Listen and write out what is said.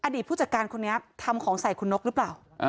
ผู้จัดการคนนี้ทำของใส่คุณนกหรือเปล่า